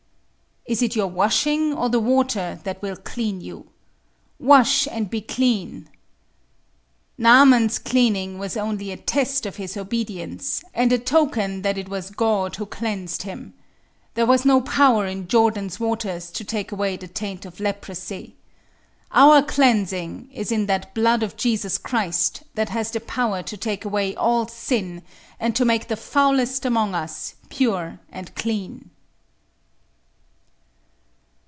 Is it your washing, or the water, that will clean you? Wash and be clean! Naaman's cleaning was only a test of his obedience, and a token that it was God who cleansed him. There was no power in Jordan's waters to take away the taint of leprosy. Our cleansing is in that blood of Jesus Christ that has the power to take away all sin, and to make the foulest amongst us pure and clean.